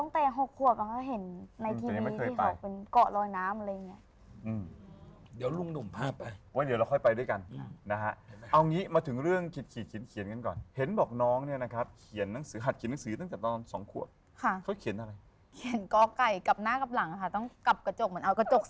พอดูตั้งแต่๖ครัวมันก็เจอ